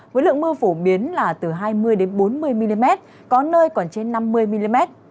với lượng mưa phổ biến là từ hai mươi bốn mươi mm có nơi còn trên năm mươi mm